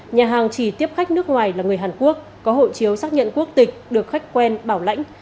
nhà hàng chỉ tiếp khách nước ngoài là người hàn quốc có hộ chiếu xác nhận quốc tịch được khách quen bảo lãnh